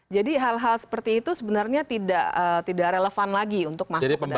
jadi hal hal seperti itu sebenarnya tidak relevan lagi untuk masuk ke dalam kaum hp kita